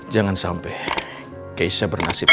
jangan sampai keisha bernasib